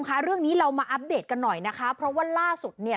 เรื่องนี้เรามาอัปเดตกันหน่อยนะคะเพราะว่าล่าสุดเนี่ย